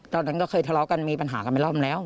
ตอนนั้นก็เคยทะเลาะกันมีปัญหากันไปรอบแล้ว